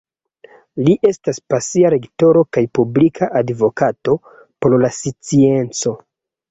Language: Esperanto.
Li estas pasia lektoro kaj publika advokato por la scienco.